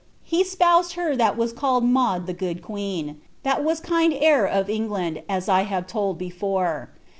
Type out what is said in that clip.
He (pouted her that was called Claude the good queen, ^^ Thai wai kt*d' htir a/ England, ai I have lold before.